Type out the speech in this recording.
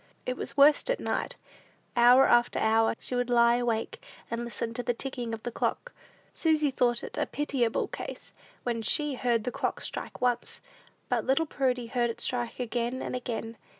It was worst at night. Hour after hour, she would lie awake, and listen to the ticking of the clock. Susy thought it a pitiable case, when she, heard the clock strike once; but little Prudy heard it strike again and again.